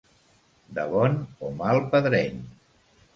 De bon o mal pedreny.